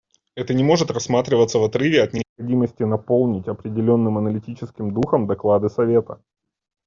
Это не может рассматриваться в отрыве от необходимости наполнить определенным аналитическим духом доклады Совета.